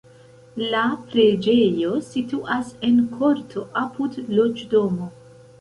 La preĝejo situas en korto apud loĝdomo.